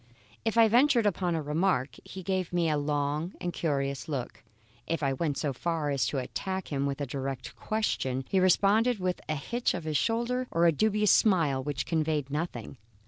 If I ventured upon a remark, he gave me a long and curious look; if I went so far as to attack him with a direct question, he responded with a hitch of the shoulder or a dubious smile which conveyed nothing.